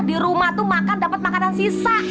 di rumah tuh makan dapat makanan sisa